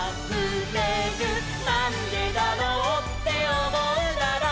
「なんでだろうっておもうなら」